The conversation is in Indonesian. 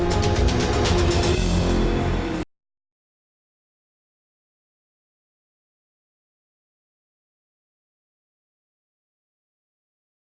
berita terkini mengenai cuaca ekstrem dua ribu dua puluh satu di jepang